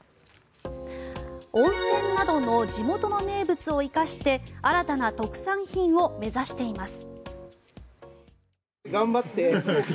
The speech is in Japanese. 温泉などの地元の名物を生かして新たな特産品を目指しています。